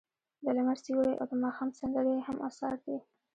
د لمر سیوری او د ماښام سندرې یې هم اثار دي.